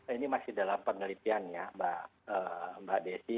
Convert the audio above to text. ini masih dalam penelitian ya mbak desi